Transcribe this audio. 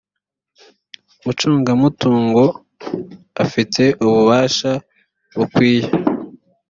umucungamutungo afite ububasha bukwiye